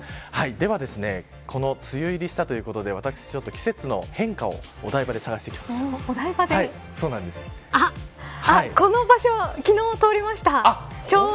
では、梅雨入りしたということで私、季節の変化をこの場所、昨日通りました。